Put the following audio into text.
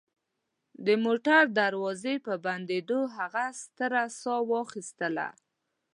د موټر دروازې په بندېدو هغه ستره ساه واخیستله